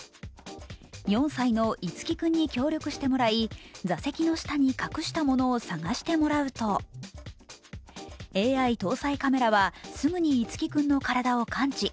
４歳の樹輝君に協力してもらい座席の下に隠したものを探してもらうと、ＡＩ搭載カメラはすぐに樹輝君の体を感知。